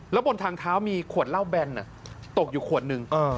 แล้วบนทางเท้ามีขวดเหล้าแบนตกอยู่ขวดนึง